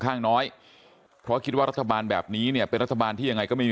ข้างน้อยเพราะคิดว่ารัฐบาลแบบนี้เนี่ยเป็นรัฐบาลที่ยังไงก็ไม่มี